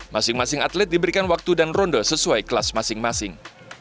masing masing atlet diberikan waktu dan ronde sesuai kelas masing masing